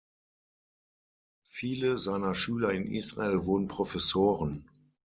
Viele seiner Schüler in Israel wurden Professoren.